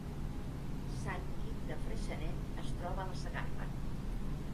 Sant Guim de Freixenet es troba a la Segarra